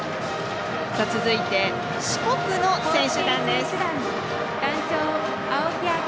続いて、四国の選手団です。